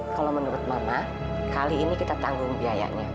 kalau menurut bapak kali ini kita tanggung biayanya